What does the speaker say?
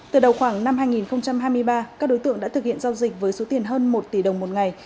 từ đầu khoảng năm hai nghìn hai mươi ba các đối tượng đã thực hiện giao dịch với số tiền hơn một tỷ đồng một ngày